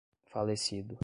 falecido